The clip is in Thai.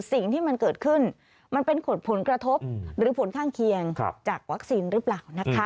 สิ่งที่มันเกิดขึ้นมันเป็นผลกระทบหรือผลข้างเคียงจากวัคซีนหรือเปล่านะคะ